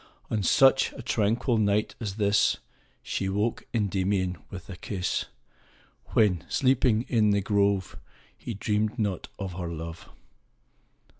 On such a tranquil night as this, io She woke Kndymion with a kis^, When, sleeping in tin grove, He dreamed not of her love.